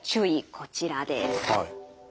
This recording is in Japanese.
こちらです。